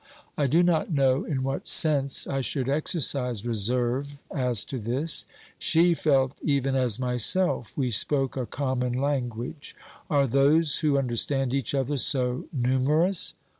I do not know in what sense I should exercise reserve as to this. She felt even as myself; we spoke a common language ; are those who understand each other so numerous